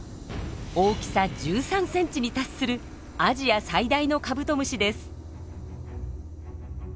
大きさ１３センチに達するアジア最大のカブトムシです。